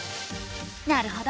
なるほど。